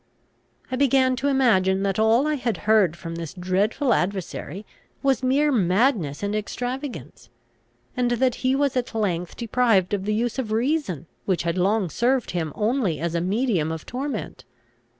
I began to imagine that all I had heard from this dreadful adversary was mere madness and extravagance, and that he was at length deprived of the use of reason, which had long served him only as a medium of torment.